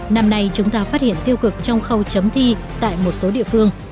năm nay chúng ta phát hiện tiêu cực trong khâu chấm thi tại một số địa phương